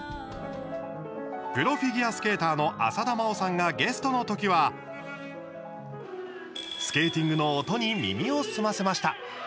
プロフィギュアスケーターの浅田真央さんがゲストの時はスケーティングの音に耳を澄ませました。